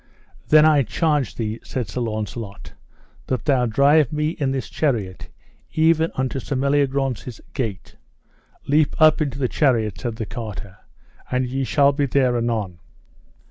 Then I charge thee, said Sir Launcelot, that thou drive me and this chariot even unto Sir Meliagrance's gate. Leap up into the chariot, said the carter, and ye shall be there anon.